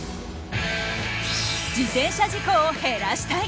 自転車事故を減らしたい！